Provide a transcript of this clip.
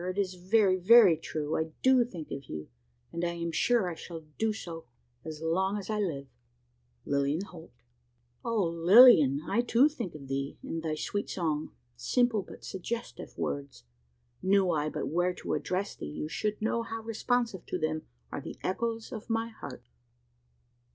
it is very, very true! I do think of you, and I am sure I shall do so as long as I live. "Lilian Holt." Ah, Lilian! I too think of thee, and thy sweet song! Simple, but suggestive words. Knew I but where to address thee, you should know how responsive to them are the echoes of my heart!